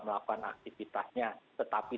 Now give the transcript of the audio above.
melakukan aktivitasnya tetapi